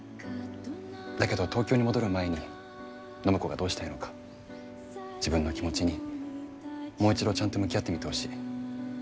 だけど東京に戻る前に暢子がどうしたいのか自分の気持ちにもう一度ちゃんと向き合ってみてほしい。